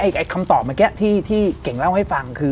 อีกคำตอบเมื่อกี้ที่เก่งเล่าให้ฟังคือ